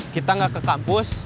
kita gak ke kampus